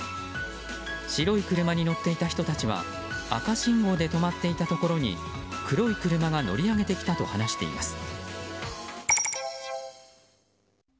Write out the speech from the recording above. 白い車に乗っていた人たちは赤信号で止まっていたところに黒い車が乗り上げてきたと話しています。